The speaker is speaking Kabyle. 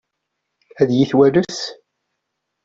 Ad iyi-twanes?